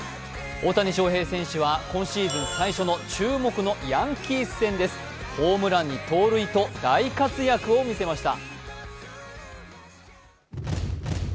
大谷翔平選手は今シーズン最初の、注目のヤンキース戦ですホームランに盗塁と大活躍を見せました。